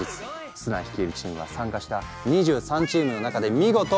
スラン率いるチームは参加した２３チームの中で見事トップで完走！